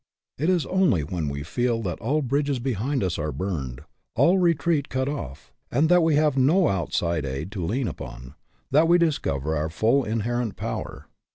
It is only when we feel that all bridges behind us are burned, all re treat cut off, and that we have no outside aid to lean upon, that we discover our full in herent power.